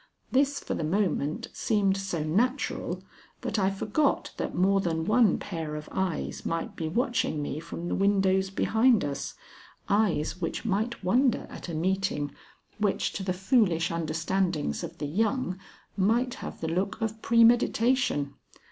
This for the moment seemed so natural that I forgot that more than one pair of eyes might be watching me from the windows behind us eyes which might wonder at a meeting which to the foolish understandings of the young might have the look of premeditation.